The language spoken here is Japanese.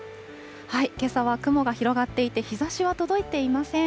けさは雲が広がっていて、日ざしは届いていません。